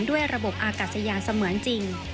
ด้วยระบบอากาศยานเสมือนจริง